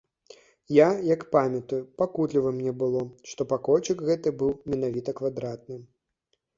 Як, я памятаю, пакутліва мне было, што пакойчык гэты быў менавіта квадратны.